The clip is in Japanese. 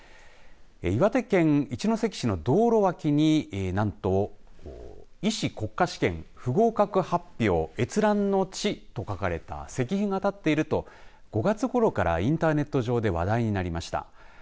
岩手県一関市の道路脇になんと医師国家試験不合格発表閲覧之地と書かれた石碑が建っていると５月ごろからインターネット上で話題になりました。